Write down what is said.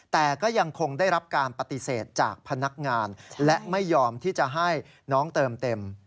แต่ก็ยังคงได้รับการปฏิเสธจากพนักงานและไม่ยอมที่จะให้น้องเติมเต็ม